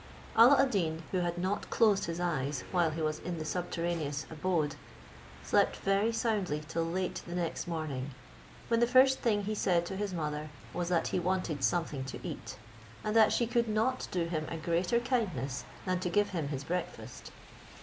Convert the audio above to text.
Alla ad Deen, who had not closed his eyes while he was in the subterraneous abode, slept very soundly till late the next morning; when the first thing he said to his mother was that he wanted something to eat, and that she could not do him a greater kindness than to give him his breakfast.